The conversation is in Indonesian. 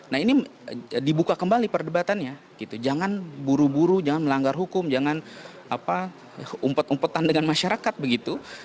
nah ini dibuka kembali perdebatannya gitu jangan buru buru jangan melanggar hukum jangan umpet umpetan dengan masyarakat begitu